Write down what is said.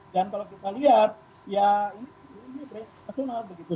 dan kalau kita lihat ya ini juga beroperasi di banyak negara